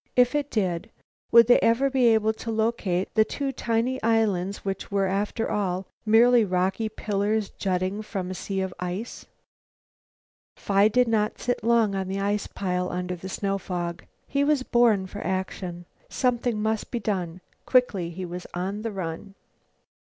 If it did, would they ever be able to locate the two tiny islands which were, after all, mere rocky pillars jutting from a sea of ice? Phi did not sit long on the ice pile under the snow fog. He was born for action. Something must be done. Quickly he was on the run.